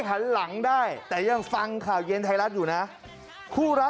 เราจะรักกันจนแก่เท่าไม่ใช่รักกันมีแค่เรา